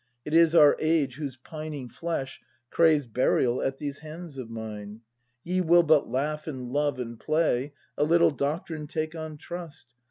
It is our age whose pining flesh Craves burial at these hands of mine. Ye will but laugh and love and play, A little doctrine take on trust.